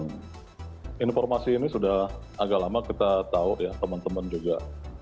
informasi ini sudah agak lama kita tahu ya teman teman juga